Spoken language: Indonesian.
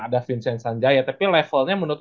ada vincent sanjaya tapi levelnya menurut